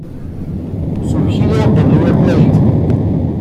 Surgido en River Plate.